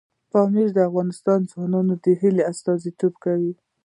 پامیر د افغان ځوانانو د هیلو استازیتوب کوي.